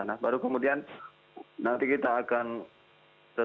nah baru kemudian nanti kita akan